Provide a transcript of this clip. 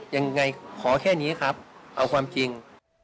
ยังไงขอแค่นี้ครับเอาความจริง